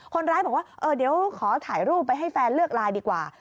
คนร้ายบอกว่าเดี๋ยวขอถ่ายรูปไปให้แฟนเลือกไลน์ดีกว่า